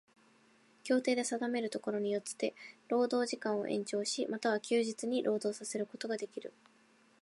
協定で定めるところによつて労働時間を延長し、又は休日に労働させることができる。